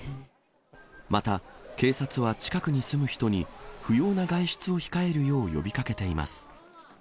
また、警察は近くに住む人に、不要な外出を控えるよう呼びかけています。